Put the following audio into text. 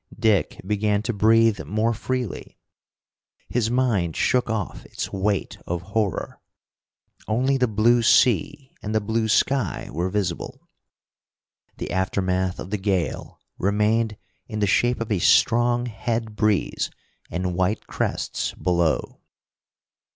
Dick began to breathe more freely. His mind shook off its weight of horror. Only the blue sea and the blue sky were visible The aftermath of the gale remained in the shape of a strong head breeze and white crests below.